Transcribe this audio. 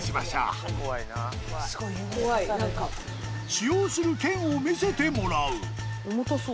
使用する剣を見せてもらう重たそう。